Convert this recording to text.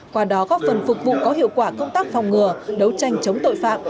qua đó góp phần phục vụ có hiệu quả công tác phòng ngừa đấu tranh chống tội phạm